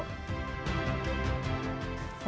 dokter spesialis tidak melakukan tindakan seperti kiropraktor